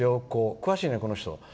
詳しいね、この人。